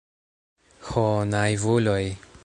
Ho naivuloj!